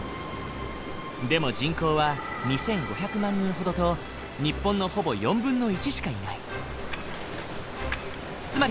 でも人口は２，５００万人ほどと日本のほぼ４分の１しかいない。